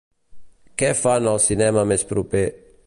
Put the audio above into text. Què fan al cinema més proper